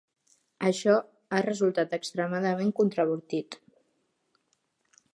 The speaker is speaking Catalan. Això ha resultat extremadament controvertit.